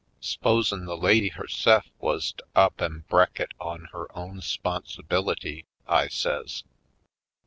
"S'posen' the lady herse'f wuz to up an* brek it on her own 'sponsibility?" I says.